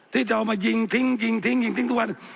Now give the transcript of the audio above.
ที่จะเอามายิงทิ้งยิงทิ้งทิ้งยิงทิ้งทุกวัน